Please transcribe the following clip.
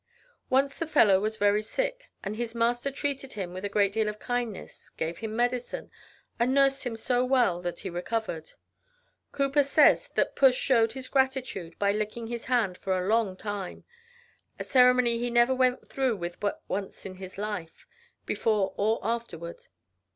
Once the fellow was very sick, and his master treated him with a great deal of kindness, gave him medicine, and nursed him so well that he recovered. Cowper says that Puss showed his gratitude by licking his hand for a long time, a ceremony he never went through with but once in his life, before or afterward.